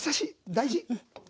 大事。